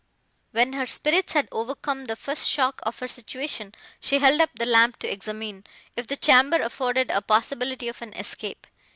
When her spirits had overcome the first shock of her situation, she held up the lamp to examine, if the chamber afforded a possibility of an escape.